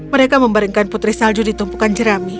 mereka membaringkan putri salju di tumpukan jerami